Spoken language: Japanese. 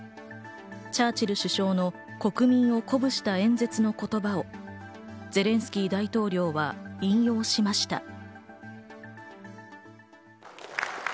チャーチル首相の国民を鼓舞した演説の言葉をゼレンスキー大統領は引用しました。